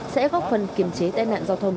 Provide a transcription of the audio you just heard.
sẽ góp phần kiểm chế tên nạn giao thông